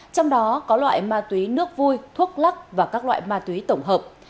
trong đó có loại ma túy nước vui thuốc lắc và các loại ma túy tổng hợp